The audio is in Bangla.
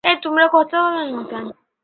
নুরনগরের চাটুজ্যেদের অবস্থা এখন ভালো নয়।